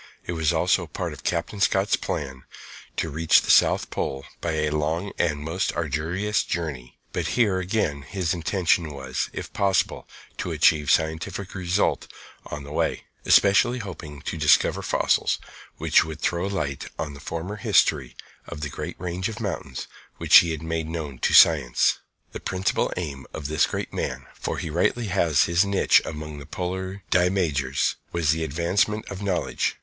It was also part of Captain Scott's plan to reach the South Pole by a long and most arduous journey, but here again his intention was, if possible, to achieve scientific results on the way, especially hoping to discover fossils which would throw light on the former history of the great range of mountains which he had made known to science. The principal aim of this great man, for he rightly has his niche among the polar Dii Majores, was the advancement of knowledge.